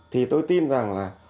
thì tôi tin rằng là